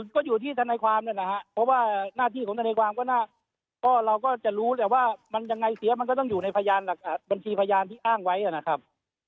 ก็อยู่ที่ทนายความเนี่ยนะฮะเพราะว่าหน้าที่ของทนายความก็เราก็จะรู้แหละว่ามันยังไงเสียมันก็ต้องอยู่ในพยานบัญชีพยานที่อ้างไว้นะครับ